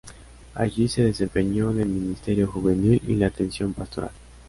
Allí se desempeñó en el ministerio juvenil y la atención pastoral.